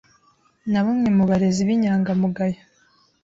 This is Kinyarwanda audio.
na bamwe mu barezi b’inyangamugayo